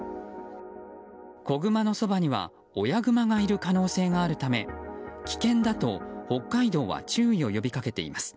子グマのそばには親グマがいる可能性があるため危険だと、北海道は注意を呼びかけています。